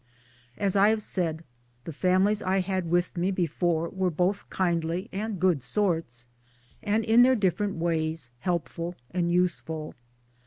As I have said, the families I had with me before were both kindly and good sorts, and in their different ways helpful and useful.